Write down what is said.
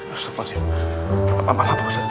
ustadz maksudnya apa apa pak ustadz